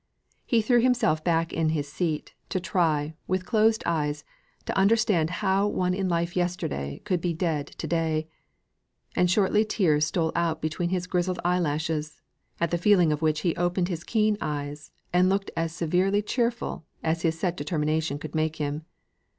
He threw himself back in his seat, to try, with closed eyes, to understand how one in life yesterday could be dead to day; and shortly tears stole out between his grizzled eye lashes, at the feeling of which he opened his keen eyes, and looked as severely cheerful as his set determination could make him.